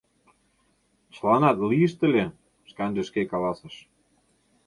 — Чыланат лийышт ыле, — шканже шке каласыш.